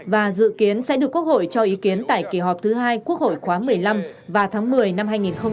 và dự kiến sẽ được quốc hội cho ý kiến tại kỳ họp thứ hai quốc hội khóa một mươi năm vào tháng một mươi năm hai nghìn hai mươi